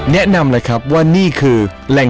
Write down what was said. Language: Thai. แนะนำนะครับว่านี่คือ